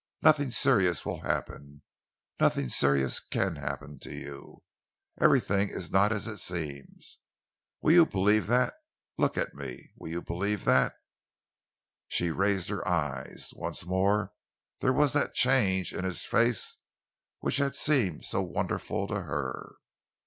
Nothing serious will happen nothing serious can happen to you. Everything is not as it seems. Will you believe that? Look at me. Will you believe that?" She raised her eyes. Once more there was that change in his face which had seemed so wonderful to her.